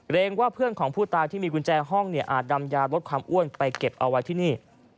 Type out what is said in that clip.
ว่าเพื่อนของผู้ตายที่มีกุญแจห้องเนี่ยอาจนำยาลดความอ้วนไปเก็บเอาไว้ที่นี่